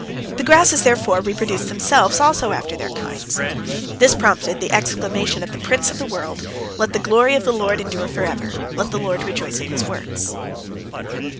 The grasses therefore reproduced themselves also after their kinds. This prompted the exclamation of the Prince of the World, "Let the glory of the Lord endure forever; let the Lord rejoice in His works."